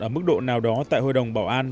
ở mức độ nào đó tại hội đồng bảo an